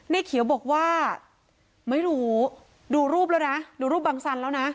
ในเขียวบอกว่าไม่รู้ดูรูปแล้วนะดูรูปบังสันแล้วนะ